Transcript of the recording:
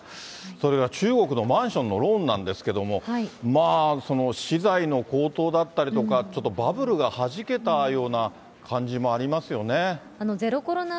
それから中国のマンションのローンなんですけれども、まあ、資材の高騰だったりとか、ちょっとバブルがはじけたような感じもありゼロコロナ